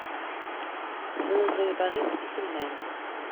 Tesnuzuyeḍ-aɣ-d iselman.